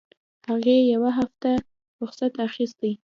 هغې يوه هفته رخصت اخيستى.